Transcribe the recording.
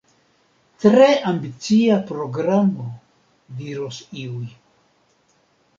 Tre ambicia programo, diros iuj.